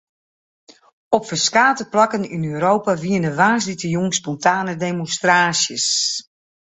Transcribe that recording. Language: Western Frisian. Op ferskate plakken yn Europa wiene woansdeitejûn spontane demonstraasjes.